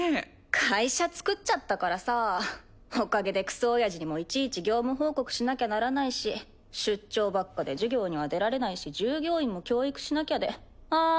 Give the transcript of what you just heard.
会社つくちゃったからさぁおかげでクソおやじにもいちいち業務報告しなきゃならないし出張ばっかで授業には出られないし従業員も教育しなきゃでああ